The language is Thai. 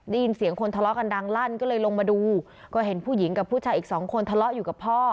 ได้ยินเสียงคนทะเลาะกันดังลั่นก็เลยลงมาดูก็เห็นผู้หญิงกับผู้ชายอีกสองคนทะเลาะอยู่กับพ่อ